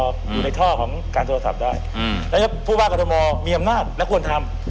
อยู่ในท่อของการโทรศัพท์ได้และพวกบ้านการโดยมอบมีอำนาจและควรทำ